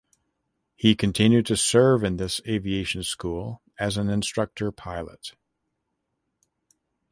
He continued to serve in this aviation school as an instructor pilot.